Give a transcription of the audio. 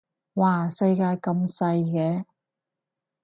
嘩世界咁細嘅